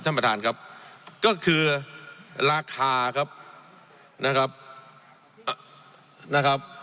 ท่านประธานครับก็คือราคาครับนะครับ